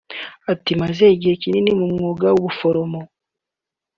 Ati "Maze igihe kinini mu mwuga w’ubuforomo